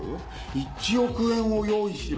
一億円を用意しろ。